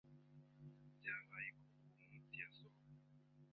Byabaye ko uwo munsi yasohotse.